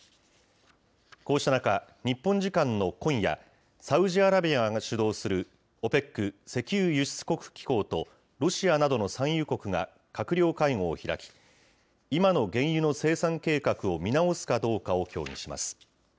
こうした中、日本時間の今夜、サウジアラビアが主導するＯＰＥＣ・石油輸出国機構とロシアなどの産油国が閣僚会合を開き、今の原油の生産計画を見直すかどうかを協議します。